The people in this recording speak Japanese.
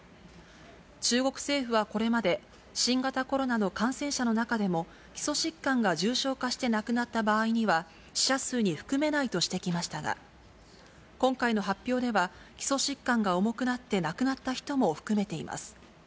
中国政府はこれまで、新型コロナの感染者の中でも、基礎疾患が重症化して亡くなった場合には、死者数に含めないとしてきましたが、今回の発表では、基礎疾患が重くなって亡くなった人も含めています。